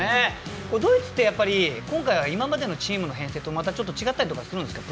ドイツって、やっぱり今回は今までのチームの編成とまたちょっと違ったりするんですか？